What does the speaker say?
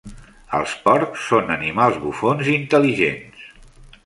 Els porcs són animals bufons i intel·ligents.